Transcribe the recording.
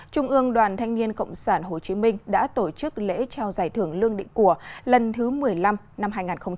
trung ương đoàn thanh niên cộng sản hồ chí minh đã tổ chức lễ trao giải thưởng lương định của lần thứ một mươi năm năm hai nghìn hai mươi